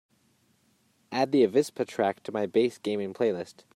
Add the avispa track to my Bass Gaming playlist.